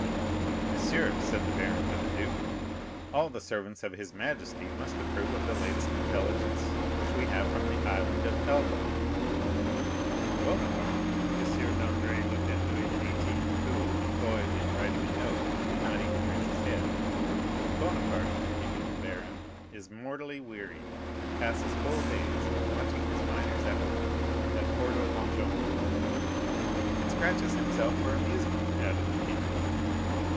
"Monsieur," said the baron to the duke, "all the servants of his majesty must approve of the latest intelligence which we have from the Island of Elba. Bonaparte——" M. Dandré looked at Louis XVIII., who, employed in writing a note, did not even raise his head. "Bonaparte," continued the baron, "is mortally wearied, and passes whole days in watching his miners at work at Porto Longone." "And scratches himself for amusement," added the king.